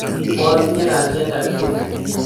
Motinye kalyet age tugul